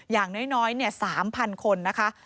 อย่างน้อย๓๐๐คนนะคะ